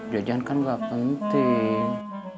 jajan kan gak penting